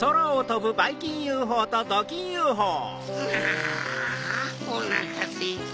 あおなかすいた。